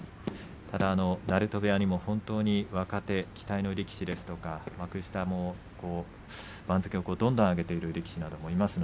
鳴戸部屋にも本当に若手期待の力士ですとか幕下も番付をどんどん上げてくる力士もいます。